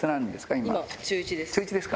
今、中１です。